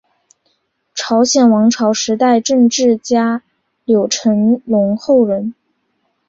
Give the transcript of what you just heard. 朝鲜王朝时代政治家柳成龙后人。